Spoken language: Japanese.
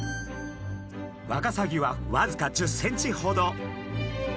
ワカサギはわずか１０ｃｍほど。